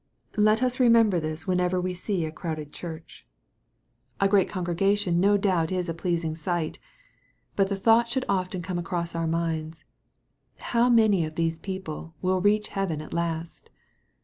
Let us remember this whenever we see a crowded enure h MARK, CHAP. I. 5 A great congregation no doubt is a pleasing sight. But the thought should often come across our minds, " How many of these people will reach heaven at last